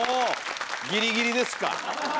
ギリギリですか。